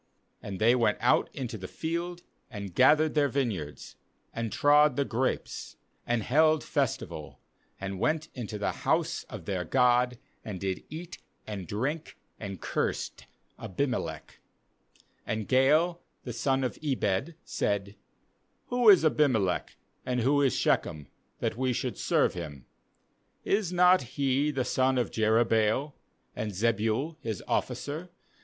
27And they went out into the field, and gathered their vineyards, and trod the grapes, and held festival, and went into the house of their god, and did eat and drink, and cursed Abimelech. 28And Gaal the son of Ebed said: 'Who is Abimelech, and who is Shechem, that we should serve him? is not he the son of Jerubbaal? and Zebul his officer?